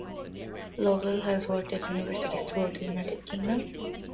Lobel has worked at universities throughout the United Kingdom.